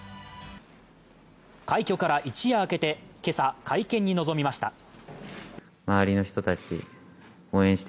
快挙から一夜明けて今朝会見に臨みました。